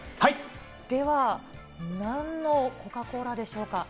では、なんのコカ・コーラでしょうか？